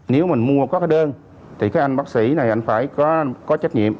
nếu mình mua có cái đơn thì các anh bác sĩ này phải có trách nhiệm